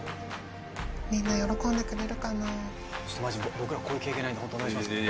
「マジ僕らこういう経験ないんでホントお願いしますね」